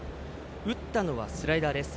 打ったのはスライダーです。